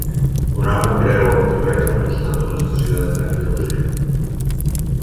Un home creua el carrer al costat d'una estació de tren lleuger.